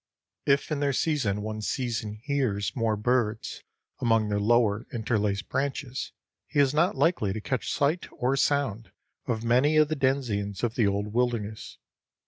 If in their season one sees and hears more birds among their lower interlaced branches, he is not likely to catch sight or sound of many of the denizens of the old wilderness.